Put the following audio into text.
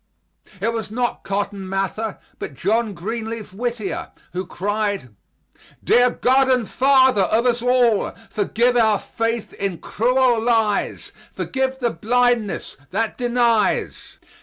It was not Cotton Mather, but John Greenleaf Whittier, who cried: "Dear God and Father of us all, Forgive our faith in cruel lies, Forgive the blindness that denies.